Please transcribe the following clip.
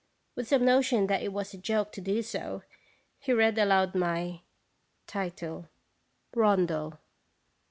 With some notion that it was a joke to do so, he read aloud my RONDEL.